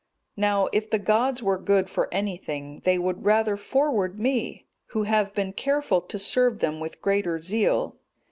Now if the gods were good for any thing, they would rather forward me, who have been careful to serve them with greater zeal.